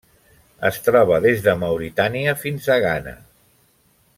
Es troba des de Mauritània fins a Ghana.